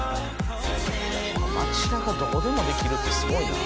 街中どこでもできるってすごいな。